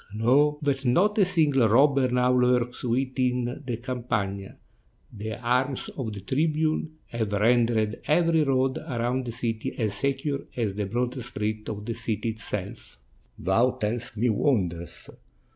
Know that not a single robber now lurks within the Campagna; the arms of the tribune have rendered every road around the city as secure as the broadest street of the city itself." 43 ITALY "Thou tellest me wonders."